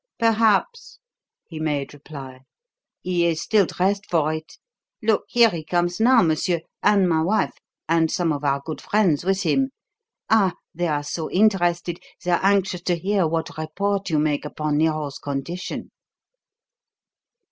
"Perhaps," he made reply. "He is still dressed for it. Look, here he comes now, monsieur, and my wife, and some of our good friends with him. Ah, they are so interested, they are anxious to hear what report you make upon Nero's condition."